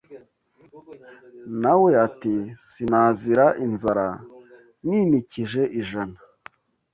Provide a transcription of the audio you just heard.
Na we ati Sinazira inzara ninikije ijana